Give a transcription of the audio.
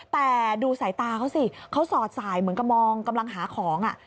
แต่ดูสายตาเขาสิเขาสอดสายเหมือนกับมองกำลังหาของ